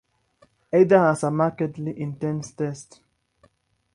Either has a markedly intense taste.